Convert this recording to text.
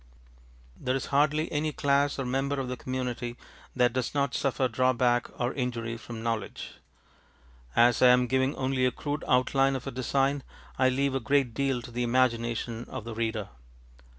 There is hardly any class or member of the community that does not suffer drawback or injury from knowledge. As I am giving only a crude outline of a design, I leave a great deal to the imagination of the reader.